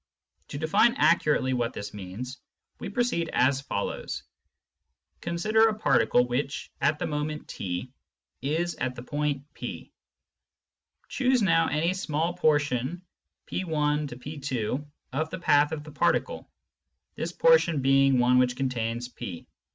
To define accurately what this means, we proceed as follows. Consider a particle which, at the moment /, is at the point P. Choose now any ^ 1 ^^^ 9 small portion Pj P, of the ^ path of the particle, this portion being one which contains P.